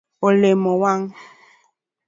Olemo wang.